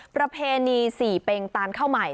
ประเพณีสี่เป็งตานข้าวใหม่